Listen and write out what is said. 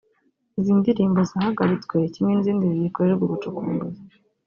Izi ndirimbo zahagaritswe kimwe n’izindi zigikorerwa ubucukumbuzi